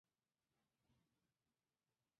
应山县是湖北省的一个县份。